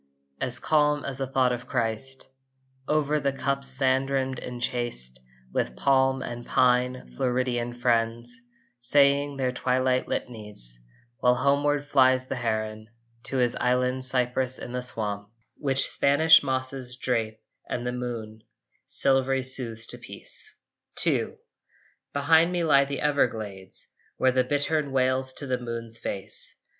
As calm as a thought of Christ Over the cup's sand rim enchased With palm and pine, Floridian friends, Saying their twilight litanies; While homeward flies the heron To his island cypress in the swamp, Which Spanish mosses drape and the moon Silverly soothes to peace. II Behind me lie the Everglades, Where the bittern wails to the moon's face.